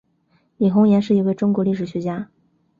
李洪岩是一位中国历史学家。